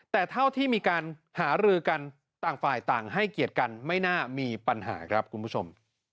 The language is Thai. แต่เท่าที่มีการหารือกันต่างฝ่ายต่างให้เกียรติกันไม่น่ามีปัญหาครับคุณผู้ชม